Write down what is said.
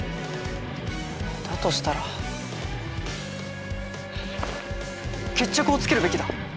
だとしたら決着をつけるべきだ。